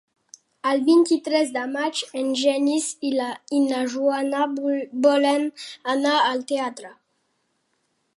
El vint-i-tres de maig en Genís i na Joana volen anar al teatre.